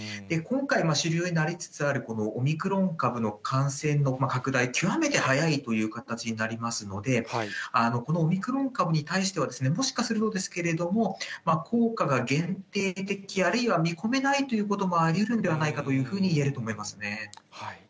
今回、主流になりつつある、このオミクロン株の感染の拡大、極めて速いという形になりますので、このオミクロン株に対してはですね、もしかするとですけれども、効果が限定的、あるいは、見込めないということもありうるんではないかというふうにいえると思いますね。